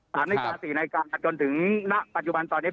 ตามในกาศีในการจนถึงณปัจจุบันตอนนี้